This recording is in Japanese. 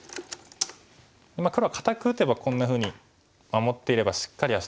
黒は堅く打てばこんなふうに守っていればしっかりはしてるんですけど